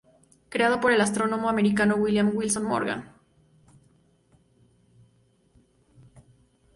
Creado por el astrónomo americano William Wilson Morgan.